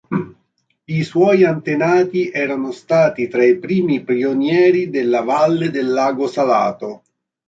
I suoi antenati erano stati tra i primi pionieri della Valle del Lago Salato.